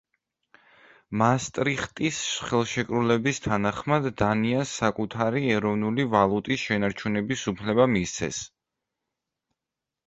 მაასტრიხტის ხელშეკრულების თანახმად, დანიას საკუთარი ეროვნული ვალუტის შენარჩუნების უფლება მისცეს.